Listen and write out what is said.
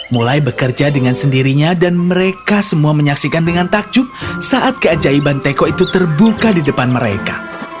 mulai bekerja dengan sendirinya dan mereka semua menyaksikan dengan takjub saat keajaiban teko itu terbuka di depan mereka